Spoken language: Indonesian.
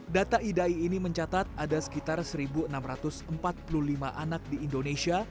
data idai ini mencatat ada sekitar satu enam ratus empat puluh lima anak di indonesia